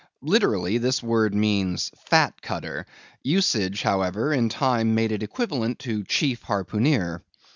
Literally this word means Fat Cutter; usage, however, in time made it equivalent to Chief Harpooneer.